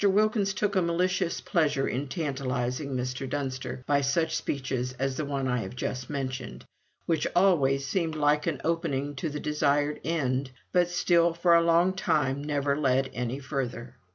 Wilkins took a malicious pleasure in tantalizing Mr. Dunster by such speeches as the one I have just mentioned, which always seemed like an opening to the desired end, but still for a long time never led any further.